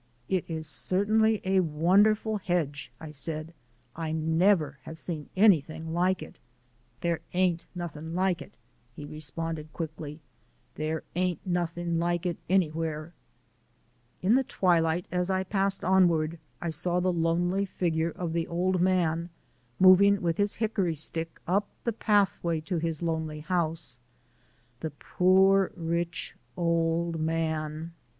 "It is certainly wonderful hedge," I said. "I never have seen anything like it?" "The' AIN'T nothing like it," he responded, quickly. "The' ain't nothing like it anywhere." In the twilight as I passed onward I saw the lonely figure of the old man moving with his hickory stick up the pathway to his lonely house. The poor rich old man!